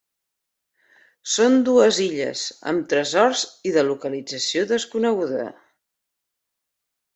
Són dues illes amb tresors i de localització desconeguda.